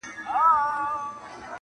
ما دي د کوثر په نوم د زهرو جام چښلی دی-